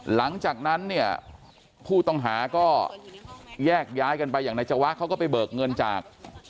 หลังจากนั้นเนี่ยผู้ต้องหาก็แยกย้ายกันไปอย่างนายจวะเขาก็ไปเบิกเงินจาก